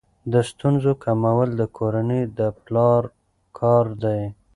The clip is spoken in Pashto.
د ستونزو کمول د کورنۍ د پلار کار دی.